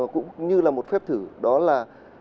cũng như là một phép thử đó là